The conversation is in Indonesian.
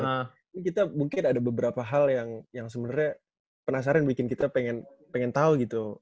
ini kita mungkin ada beberapa hal yang sebenernya penasaran bikin kita pengen tau gitu